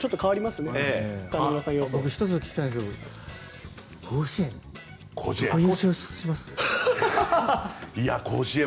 １つ聞きたいんですけど甲子園。